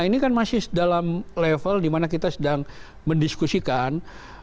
ini kan masih dalam level dimana kita sedang mendiskusikan